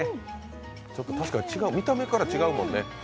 確かに見た目から違うもんね。